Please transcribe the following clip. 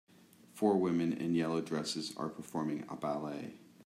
Four women in yellow dresses are performing a ballet.